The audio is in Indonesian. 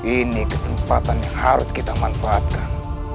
ini kesempatan yang harus kita manfaatkan